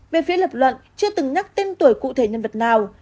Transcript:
về phía lập luận chưa từng nhắc tên tuổi cụ thể nhân vật nào